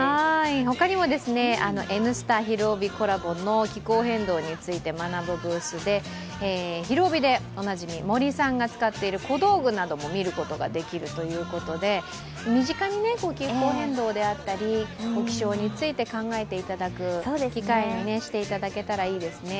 他にも「Ｎスタ」「ひるおび！」コラボの気候変動について学ぶブースで、「ひるおび！」でおなじみ森さんが使っている小道具なども見ることができるということで身近に気候変動であったり気象について考えていただく機会にしていただけたらいいですね。